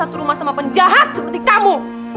satu rumah sama penjahat seperti kamu